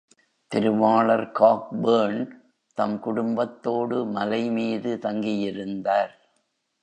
திருவாளர் காக்பர்ன் தம் குடும்பத்தோடு மலைமீது தங்கியிருந்தார்.